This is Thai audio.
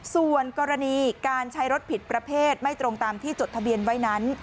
ส่วนกรณีการใช้รถผิดประเภทไม่ตรงตามที่จดทะเบียนไว้นั้น